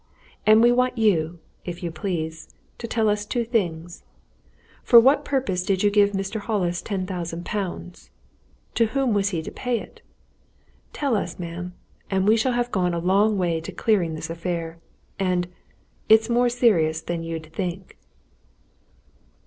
And we want you, if you please, to tell us two things: For what purpose did you give Mr. Hollis ten thousand pounds? To whom was he to pay it? Tell us, ma'am and we shall have gone a long way to clearing this affair! And it's more serious than you'd think."